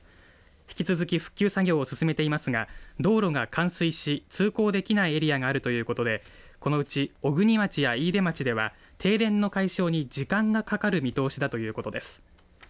引き続き、復旧作業を進めていますが道路が冠水し通行できないエリアがあるということでこのうち小国町や飯豊町では停電の解消に時間がかかる見通しだということです。